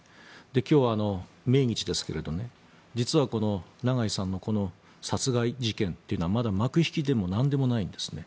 今日、命日ですけれど実はこの長井さんの殺害事件はまだ幕引きでもなんでもないんですね。